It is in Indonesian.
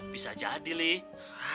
bisa jadi lih